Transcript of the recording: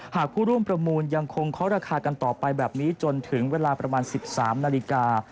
ผู้ร่วมประมูลยังคงเคาะราคากันต่อไปแบบนี้จนถึงเวลาประมาณ๑๓นาฬิกา